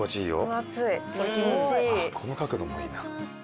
ああこの角度もいいな。